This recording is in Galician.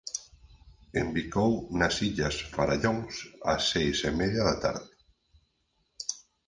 Embicou nas illas Farallóns ás seis e media da tarde.